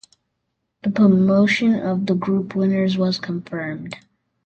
The promotion of the group winners was confirmed.